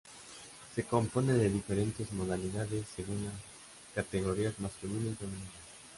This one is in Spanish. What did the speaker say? Se compone de diferentes modalidades según las categorías masculina y femenina.